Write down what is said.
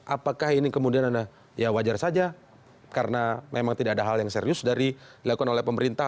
apakah ini kemudian anda ya wajar saja karena memang tidak ada hal yang serius dari dilakukan oleh pemerintah